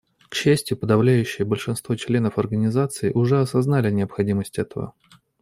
К счастью, подавляющее большинство членов Организации уже осознали необходимость этого.